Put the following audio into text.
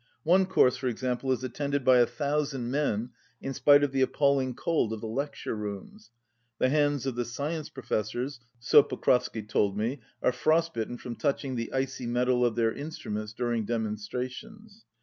One course, for example, is attended by a thou sand men in spite of the appalling cold of the lecture rooms. The hands of the science pro fessors, so Pokrovsky told me, are frostbitten from touching the icy metal of their instruments during demonstrations.